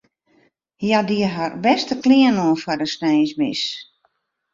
Hja die har bêste klean oan foar de sneinsmis.